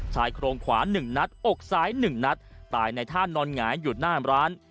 ชายโครงขวา๑นัดอกซ้าย๑นัดตายในท่านอนหงายอยู่หน้าร้าน